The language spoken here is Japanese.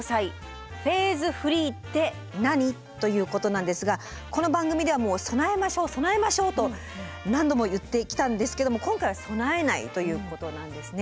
ということなんですがこの番組ではもう「備えましょう備えましょう」と何度も言ってきたんですけども今回は「備えない」ということなんですね。